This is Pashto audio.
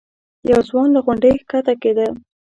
یو ځوان له غونډۍ ښکته کېده.